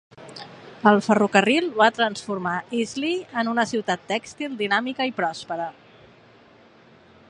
El ferrocarril va transformar Easley en una ciutat tèxtil dinàmica i pròspera.